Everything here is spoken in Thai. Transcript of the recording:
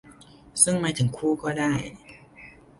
ซึ่งหมายถึงคู่ก็ได้